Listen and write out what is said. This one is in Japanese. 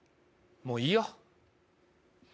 もういい。